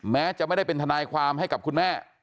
แม้จะไม่ได้เป็นทนายความให้กับคุณแม่